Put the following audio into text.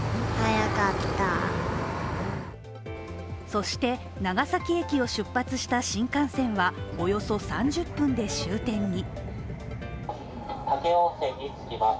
そして長崎駅を出発した新幹線はおよそ３０分で終点に。